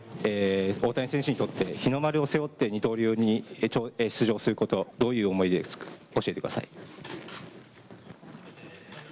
大谷選手にとって、日の丸を背負って二刀流に挑戦すること、どういう思いですか教えてください。